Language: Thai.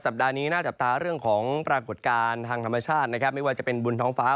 ปัดนี้น่าจับตาเรื่องของปรากฏการณ์ทางธรรมชาตินะครับไม่ว่าจะเป็นบุญท้องฟ้า